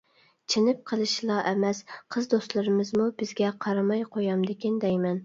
-چېنىپ قىلىشلا ئەمەس، قىز دوستلىرىمىزمۇ بىزگە قارىماي قويامدىكىن دەيمەن.